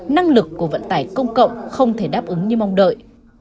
năng lực của vận tải công cộng không thể đáp ứng như mong đợi